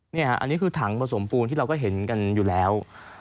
นี่ค่ะอันนี้คือถังผสมปูนที่เราก็เห็นกันอยู่แล้ว